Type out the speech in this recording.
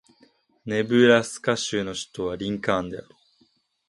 ネブラスカ州の州都はリンカーンである